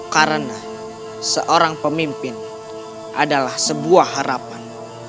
karena seorang pemimpin adalah sebuah harapan